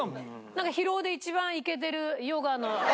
なんか広尾で一番イケてるヨガの。